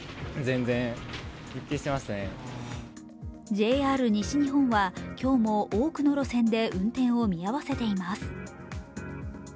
ＪＲ西日本は今日も多くの路線で運転を見合わせています。